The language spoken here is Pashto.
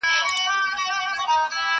o ډنگر په هډ ماغزه لري!